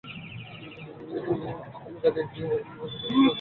কিছুক্ষণ আগে একটু আজব কাহিনী কারবার করছিলাম।